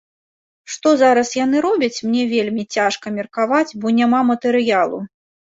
Што зараз яны робяць, мне вельмі цяжка меркаваць, бо няма матэрыялу.